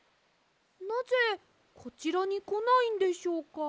なぜこちらにこないんでしょうか？